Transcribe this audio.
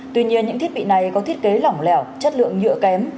tuy nhiên những thiết bị này có thiết kế lỏng lẻo chất lượng nhựa kém